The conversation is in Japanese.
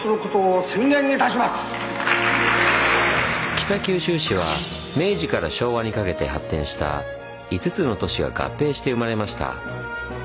北九州市は明治から昭和にかけて発展した５つの都市が合併して生まれました。